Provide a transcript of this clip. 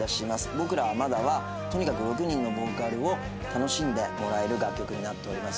「『僕らはまだ』はとにかく６人のボーカルを楽しんでもらえる楽曲になっております」